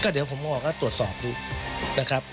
เดี๋ยวผมบอกว่าตรวจสอบดูนะครับ